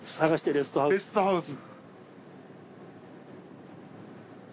レストハウス。